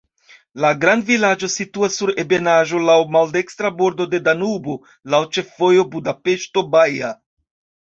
La grandvilaĝo situas sur ebenaĵo, laŭ maldekstra bordo de Danubo, laŭ ĉefvojo Budapeŝto-Baja.